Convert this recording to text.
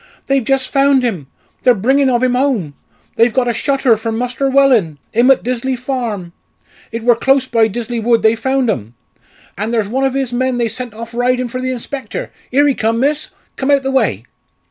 "They've just found him they're bringin' ov 'im home; they've got a shutter from Muster Wellin! 'im at Disley Farm. It wor close by Disley wood they found 'em. And there's one ov 'is men they've sent off ridin' for the inspector here he come, miss! Come out o' th' way!"